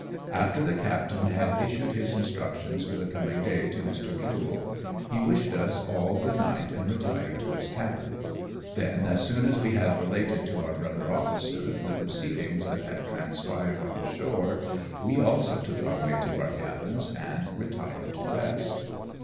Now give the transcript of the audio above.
After the captain had issued his instructions for the coming day to Mr. Jule, he wished us all good night and retired to his cabin ; then, as soon as we had related to our brother officer the proceedings that had transpired on shore, we also took our way to our cabins and retired to rest.